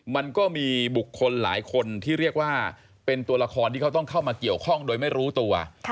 มันก็มีบุคคลหลายคนที่เรียกว่าเป็นตัวละครที่เขาต้องเข้ามาเกี่ยวข้องโดยไม่รู้ตัว